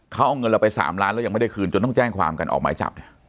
เขาเอาเงินเราไป๓ล้านแล้วยังไม่ได้คืนจนต้องแจ้งความกันออกหมายจับเนี่ย